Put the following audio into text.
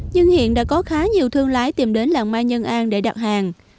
nhưng hiện đã có khá nhiều thương lái tìm đến làng mai nhân an để đặt hàng